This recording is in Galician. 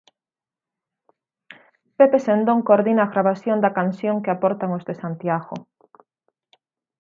Pepe Sendón coordina a gravación da canción que aportan os de Santiago.